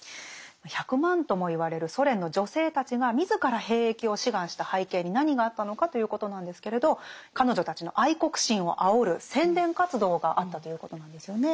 １００万ともいわれるソ連の女性たちが自ら兵役を志願した背景に何があったのかということなんですけれど彼女たちの愛国心をあおる宣伝活動があったということなんですよね。